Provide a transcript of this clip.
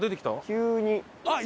急に。